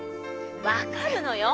分かるのよ。